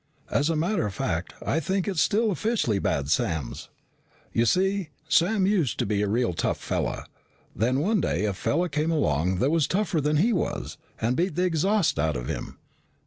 "As a matter of fact, I think it's still officially Bad Sam's. You see, Sam used to be a real tough fella. Then one day a fella came along that was tougher than he was and beat the exhaust out of him.